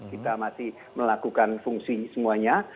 kita masih melakukan fungsi semuanya